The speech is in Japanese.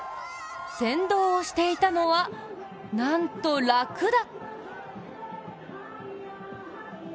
先導をしていたのは、なんとラクダ！